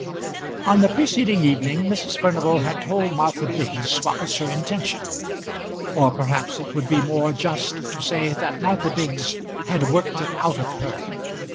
On the preceding evening Mrs. Furnival had told Martha Biggs what was her intention; Or perhaps it would be more just to say that Martha Biggs had worked it out of her.